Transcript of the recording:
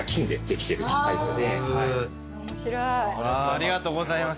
ありがとうございます。